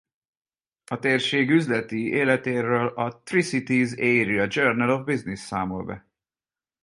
A térség üzleti életéről a Tri-Cities Area Journal of Business számol be.